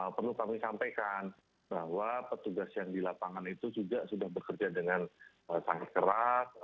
perlu kami sampaikan bahwa petugas yang di lapangan itu juga sudah bekerja dengan sangat keras